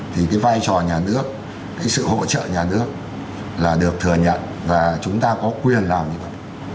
thì cái vai trò nhà nước cái sự hỗ trợ nhà nước là được thừa nhận và chúng ta có quyền làm như vậy